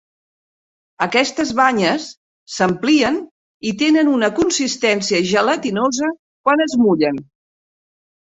Aquestes banyes s'amplien i tenen una consistència gelatinosa quan es mullen.